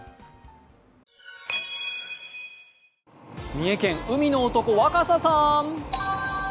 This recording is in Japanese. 三重県海の男、若狭さん。